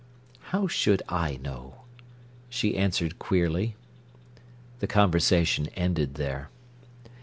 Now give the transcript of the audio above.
"How should I know?" she answered queerly. The conversation ended there.